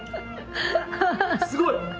すごい！